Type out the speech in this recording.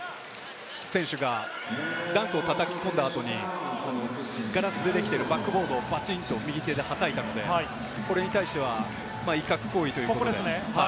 ソホ選手がダンクを叩き込んだ後にガラスでできているバックボードを右手ではたいたので、これに対しては、威嚇行為ということで。